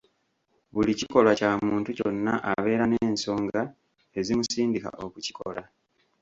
Buli kikolwa kya muntu kyonna abeera n'ensonga ezimusindika okukikola.